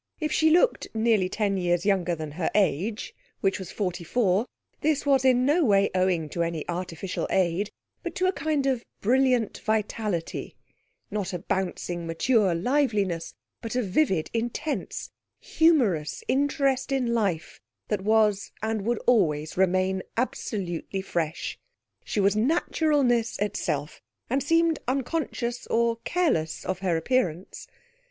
If she looked nearly ten years younger than her age (which was forty four), this was in no way owing to any artificial aid, but to a kind of brilliant vitality, not a bouncing mature liveliness, but a vivid, intense, humorous interest in life that was and would always remain absolutely fresh. She was naturalness itself, and seemed unconscious or careless of her appearance.